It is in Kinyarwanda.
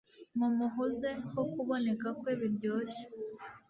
Mumuhuze ko kuboneka kwe biryoshye